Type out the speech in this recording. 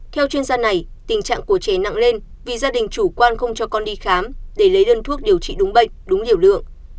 theo chuyên gia này tình trạng của trẻ nặng lên vì gia đình chủ quan không cho con đi khám để lấy đơn thuốc điều trị đúng bệnh đúng liều lượng